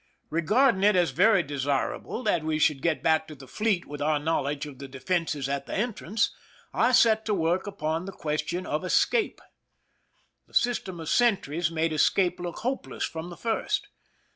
Regarding it as very desirable that we should get back to the fleet with our knowledge of the defenses at the entrance, I set to work upon the question of escape. The system of sentries made escape look hopeless from the first.